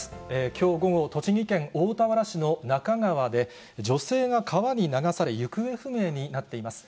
きょう午後、栃木県大田原市の那珂川で、女性が川に流され、行方不明になっています。